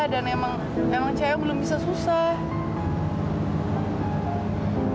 dan emang caya belum bisa susah